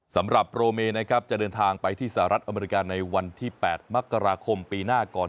สำหรับโปรเมนะครับจะเดินทางไปที่สหรัฐอเมริกาในวันที่๘มกราคมปีหน้าก่อน